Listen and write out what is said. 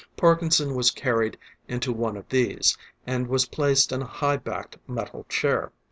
Parkinson was carried into one of these, and was placed in a high backed metal chair.